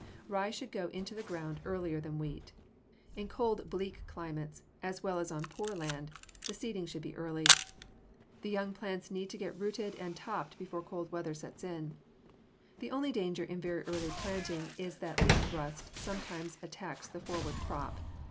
Rye should go into the ground earlier than wheat. In cold, bleak climates, as well as on poor land, the seeding should be early. The young plant needs to get rooted and topped before cold weather sets in. The only danger in very early planting is that leaf rust sometimes attacks the forward crop.